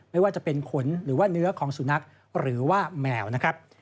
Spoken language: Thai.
ไม่ว่าจะเป็นขนหรือว่าเนื้อของสุนัขหรือว่าแมวนะครับ